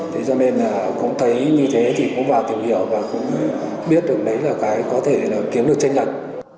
thế cho nên là cũng thấy như thế thì cũng vào tìm hiểu và cũng biết được đấy là cái có thể là kiếm được tranh lệch